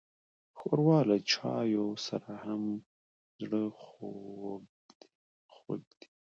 ښوروا له چايوالو سره هم زړهخوږې ده.